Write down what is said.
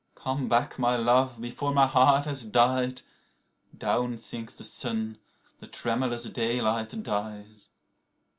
Come back, my love,, before my heart has died, Down sinks the sun, the tremulous daylight dies.